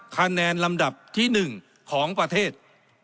คะแนนลำดับที่๑ของประเทศ